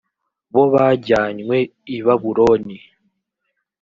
bo bajyanywe i babuloni